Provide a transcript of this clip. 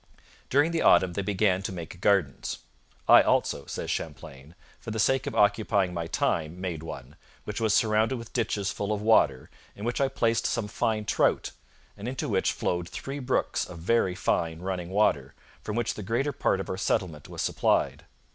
During the autumn they began to make gardens. 'I also,' says Champlain, 'for the sake of occupying my time made one, which was surrounded with ditches full of water, in which I placed some fine trout, and into which flowed three brooks of very fine running water, from which the greater part of our settlement was supplied.